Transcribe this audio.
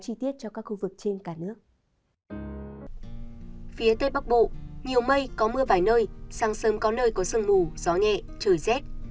nhiều mây có mưa vài nơi sáng sớm có nơi có sơn mù gió nhẹ trời rét